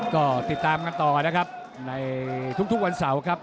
ก็ติดตามกันต่อนะครับในทุกวันเสาร์ครับ